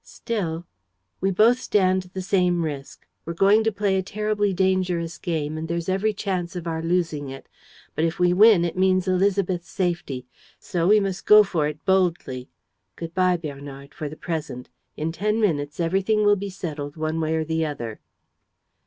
"Still ..." "We both stand the same risk. We're going to play a terribly dangerous game and there's every chance of our losing it. But, if we win, it means Élisabeth's safety. So we must go for it boldly. Good bye, Bernard, for the present. In ten minutes everything will be settled one way or the other."